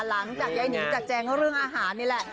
หลังจากยายหนีจัดแจงเรื่องอาหารนี่แหละ